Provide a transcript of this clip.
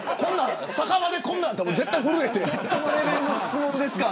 酒場でこんなあったら絶対震えてる。